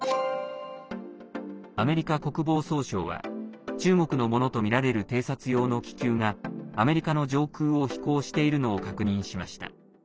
アメリカ国防総省は中国のものとみられる偵察用の気球がアメリカの上空を飛行しているのを確認しました。